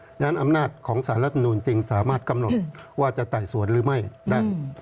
ฉะนั้นอำนาจของสารและธรรมดูลจริงสามารถกำหนดว่าจะไต่สวนหรือไม่ได้